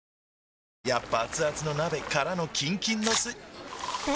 やっぱアツアツの鍋からのキンキンのスん？